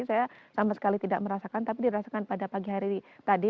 saya sama sekali tidak merasakan tapi dirasakan pada pagi hari tadi